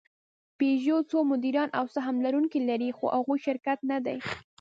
پيژو څو مدیران او سهم لرونکي لري؛ خو هغوی شرکت نهدي.